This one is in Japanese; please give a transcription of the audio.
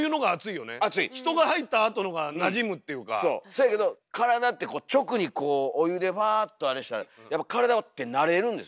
そうやけど体って直にこうお湯でファっとあれしたらやっぱ体って慣れるんです。